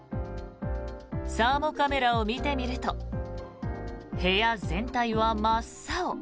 サーモカメラを見てみると部屋全体は真っ青。